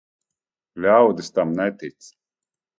Ļaudis tam netic.